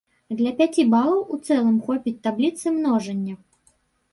Для пяці балаў у цэлым хопіць табліцы множання.